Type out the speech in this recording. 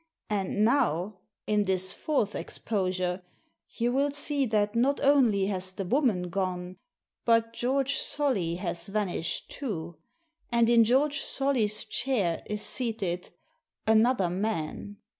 And now, in this fourth exposure, you will see that not only has the woman gone, but George Solly has Vanished too, and in George Solly's chair is seated — another man